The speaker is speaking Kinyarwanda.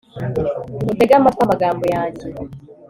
utege amatwi amagambo yanjye